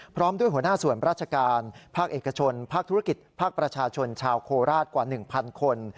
พร้อมด้วยหัวหน้าส่วนราชการภาคเอกชนภาคธุรกิจภาคประชาชนชาวโคราชกว่า๑๐๐คน